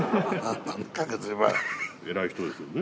偉い人ですよね。